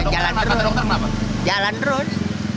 jalan terus jalan terus